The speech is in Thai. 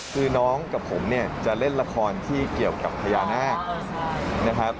คือน้องกับผมเนี่ยจะเล่นละครที่เกี่ยวกับพญานาคนะครับ